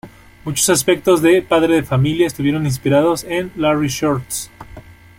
Muchos aspectos de "Padre de familia" estuvieron inspirados en "Larry Shorts".